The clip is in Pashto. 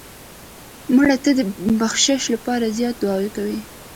مړه ته د بخشش لپاره زیات دعا وکړه